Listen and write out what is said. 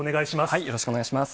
よろしくお願いします。